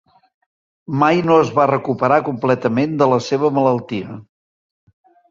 Mai no es va recuperar completament de la seva malaltia.